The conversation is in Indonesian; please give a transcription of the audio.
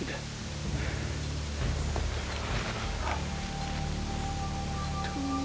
mimpi sampai mau dibunuh